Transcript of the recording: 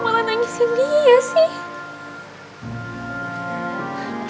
malah nangis sendiri ya sih